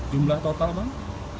jumlah total bang